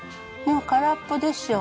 もう空っぽでしょ？